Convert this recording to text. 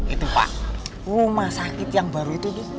itu pak rumah sakit yang baru itu